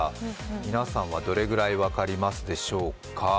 皆さんはどれくらい分かりますでしょうか。